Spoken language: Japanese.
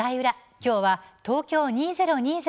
きょうは東京２０２０